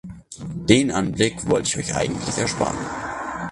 Den Anblick wollte ich euch eigentlich ersparen.